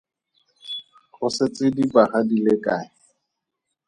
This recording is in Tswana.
Go setse dibaga di le kae?